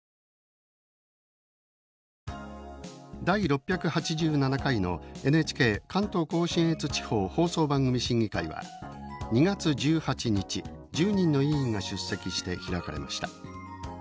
第６８７回のＮＨＫ関東甲信越地方放送番組審議会は２月１８日１０人の委員が出席して開かれました。